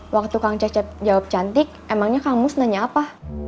waktu kang cecep jawab cantik emangnya kamus nanya apa